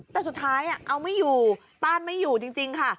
แต่สุดท้ายเอาไม่อยู่ต้านไม่อยู่จริงค่ะ